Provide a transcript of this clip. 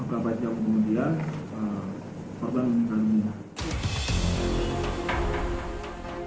menggabungkan kemudian perbanan